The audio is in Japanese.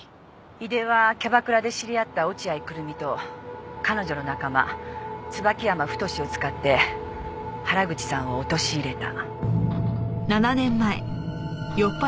井出はキャバクラで知り合った落合久瑠実と彼女の仲間椿山太を使って原口さんを陥れた。